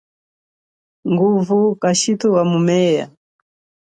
Nguvu kashithu wa mumeya.